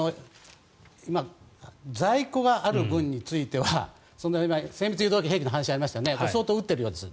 在庫がある分については今、精密誘導兵器の話がありましたね相当撃っているようです。